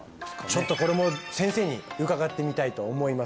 ちょっとこれも先生に伺ってみたいと思います